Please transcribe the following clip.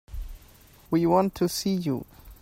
We want to see you.